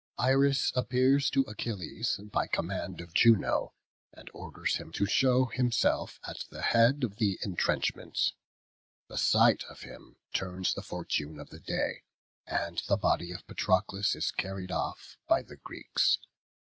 Iris appears to Achilles by command of Juno, and orders him to show himself at the head of the intrenchments. The sight of him turns the fortune of the day, and the body of Patroclus is carried off by the Greeks.